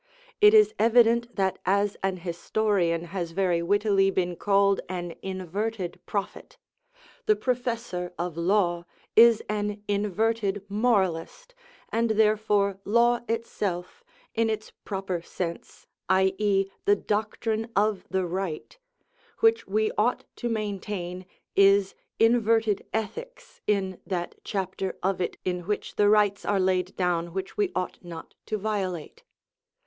It is evident that as an historian has very wittily been called an inverted prophet, the professor of law is an inverted moralist, and therefore law itself, in its proper sense, i.e., the doctrine of the right, which we ought to maintain, is inverted ethics in that chapter of it in which the rights are laid down which we ought not to violate.